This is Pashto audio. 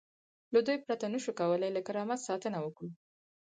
له دوی پرته نشو کولای له کرامت ساتنه وکړو.